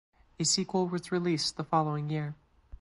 A sequel was released the following year.